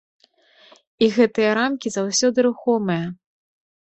І гэтыя рамкі заўсёды рухомыя.